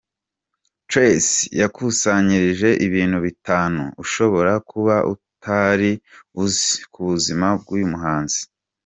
Trace yakusanyirije ibintu bitanu ushobora kuba utari uzi ku buzima bw’uyu muhanzi.